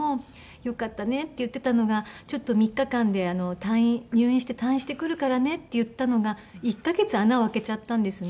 よかったねって言ってたのがちょっと３日間で入院して退院してくるからねって言ったのが１カ月穴を開けちゃったんですね。